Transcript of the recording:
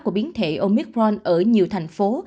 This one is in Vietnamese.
của biến thể omicron ở nhiều thành phố